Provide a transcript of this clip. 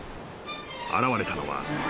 ［現れたのは］